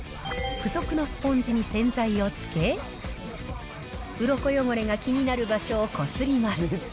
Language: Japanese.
付属のスポンジに洗剤をつけ、ウロコ汚れが気になる場所をこすります。